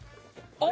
あれ？